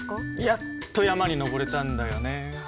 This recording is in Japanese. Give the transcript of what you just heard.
やっと山に登れたんだよね。